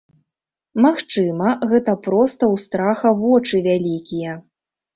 Магчыма, гэта проста ў страха вочы вялікія.